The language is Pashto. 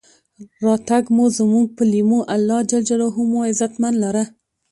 راتګ مو زمونږ پۀ لېمو، الله ج مو عزتمن لره.